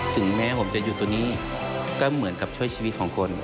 ถึงแม้ผมจะอยู่ตรงนี้ก็เหมือนกับช่วยชีวิตของคน